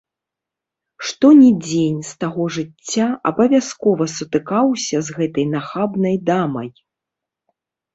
Што ні дзень з таго жыцця, абавязкова сутыкаўся з гэтай нахабнай дамай.